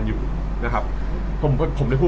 ไม่ได้หรอไม่ได้หรอ